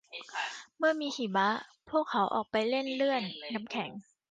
เมื่อมีหิมะ พวกเขาออกไปเล่นเลื่อนน้ำแข็ง